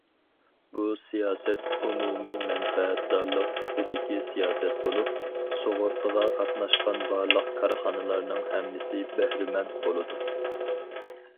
بۇ سىياسەت ئومۇمىي مەنپەئەتدارلىق تىپىدىكى سىياسەت بولۇپ، سۇغۇرتىغا قاتناشقان بارلىق كارخانىلارنىڭ ھەممىسى بەھرىمەن بولىدۇ.